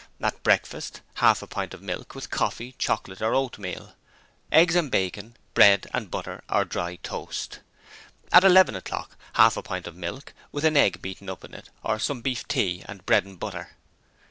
'At breakfast: half a pint of milk, with coffee, chocolate, or oatmeal: eggs and bacon, bread and butter, or dry toast. 'At eleven o'clock: half a pint of milk with an egg beaten up in it or some beef tea and bread and butter.